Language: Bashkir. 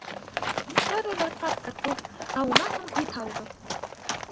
Тәүҙә бер ҡат картуф, ә унан һуң ит һалығыҙ